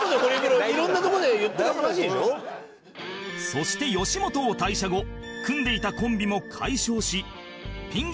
そして吉本を退社後組んでいたコンビも解消しピン